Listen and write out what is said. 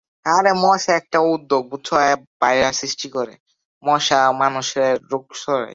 মশা একটি উদ্বেগ সৃষ্টি করে এবং রোগ ছড়ানোর সম্ভাবনা বাড়ায়।